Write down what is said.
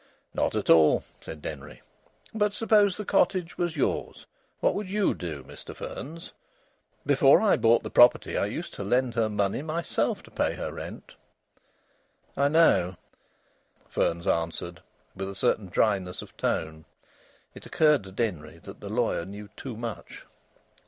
"Not at all!" said Denry. "But supposing the cottage was yours, what would you do, Mr Fearns? Before I bought the property I used to lend her money myself to pay her rent." "I know," Fearns answered, with a certain dryness of tone. It occurred to Denry that the lawyer knew too much.